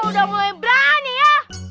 udah mulai berani ya